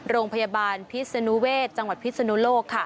โรงพยาบาลพิศนุเวศจังหวัดพิศนุโลก